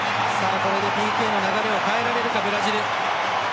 これでＰＫの流れを変えられるかブラジル。